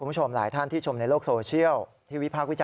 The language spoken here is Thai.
โรงพักโรงพัก